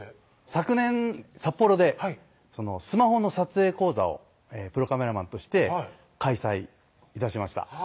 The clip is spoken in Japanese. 昨年札幌でスマホの撮影講座をプロカメラマンとして開催致しました